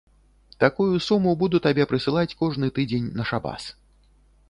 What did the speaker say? Такую суму буду табе прысылаць кожны тыдзень на шабас.